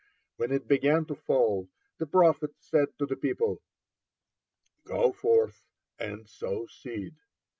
When it began to fall, the prophet said to the people, "Go forth and sow seed!"